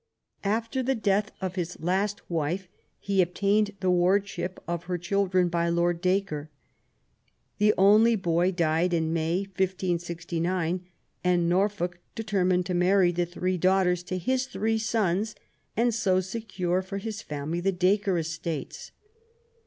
After the death of his last wife he obtained the wardship of her children by Lord Dacre. The only boy died in May, 1569 ; and Norfolk determined to marry the three daughters to his three sons, and so secure for his family the Dacre estates.